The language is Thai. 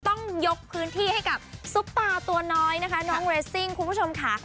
ต้องยกพื้นที่ให้กับซุปตาตัวน้อยนะคะน้องเรสซิ่งคุณผู้ชมค่ะ